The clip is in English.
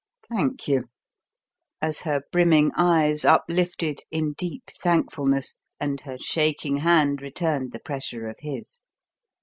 Thank you!" as her brimming eyes uplifted in deep thankfulness and her shaking hand returned the pressure of his.